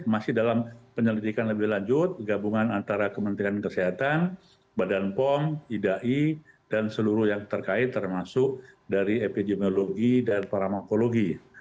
masih dalam penyelidikan lebih lanjut gabungan antara kementerian kesehatan badan pom idai dan seluruh yang terkait termasuk dari epidemiologi dan paramakologi